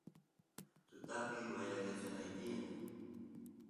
tutapi wyrakachanay tiyan